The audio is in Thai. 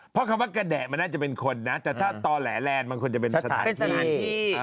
เพราะคำว่ากระแดะมันน่าจะเป็นคนนะแต่ถ้าต่อแหลแลนด์มันควรจะเป็นสถานที่